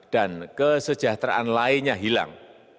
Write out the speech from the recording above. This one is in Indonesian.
dan kesejahteraan lainnya hilang